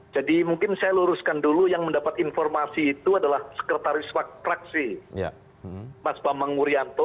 mungkin saya luruskan dulu yang mendapat informasi itu adalah sekretaris fraksi mas bambang wuryanto